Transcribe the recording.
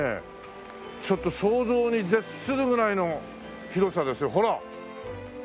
ちょっと想像を絶するぐらいの広さですよほら。